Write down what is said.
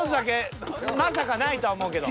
［まさかないとは思うけど］